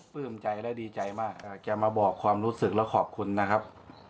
ปลื้มใจและดีใจมากแกมาบอกความรู้สึกแล้วขอบคุณนะครับ